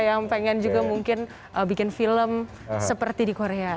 yang pengen juga mungkin bikin film seperti di korea